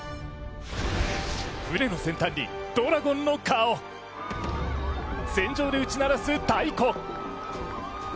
船の先端にドラゴンの顔、船上で打ち鳴らす太鼓。